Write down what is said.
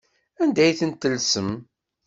Anda ay tent-tellsem?